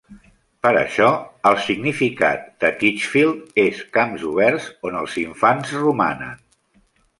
Per això, el significat de Titchfield és "camps oberts on els infants romanen".